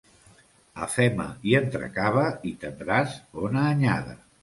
Afema i entrecava i tendràs bona anyada.